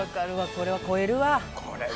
これは超えるわ。